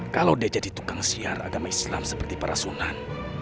kalau dia jadi tukang siar agama islam seperti para sunan